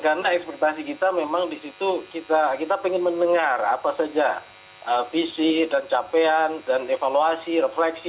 karena ekspertasi kita memang di situ kita pengen mendengar apa saja visi dan capaian dan evaluasi refleksi